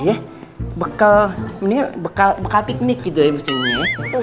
iya bekal bekal bekal piknik gitu ya